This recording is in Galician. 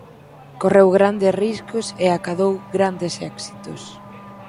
Correu grandes riscos e acadou grandes éxitos.